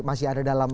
masih ada dalam